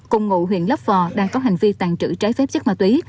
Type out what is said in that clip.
cùng ngụ huyện lập hò đang có hành vi tàn trữ trái phép chất ma túy